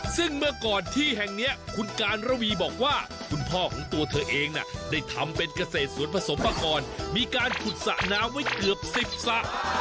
ซึ่งเมื่อก่อนที่แห่งนี้คุณการระวีบอกว่าคุณพ่อของตัวเธอเองน่ะได้ทำเป็นเกษตรสวนผสมมาก่อนมีการขุดสระน้ำไว้เกือบ๑๐สระ